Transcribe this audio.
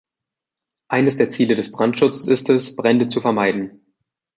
Eines der Ziele des Brandschutzes ist es, Brände zu vermeiden.